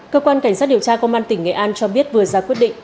cơ quan cảnh sát điều tra công an tỉnh nghệ an cho biết vừa ra quyết định